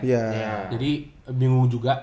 ya jadi bingung juga